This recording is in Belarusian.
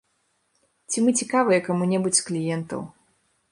Ці мы цікавыя каму-небудзь з кліентаў.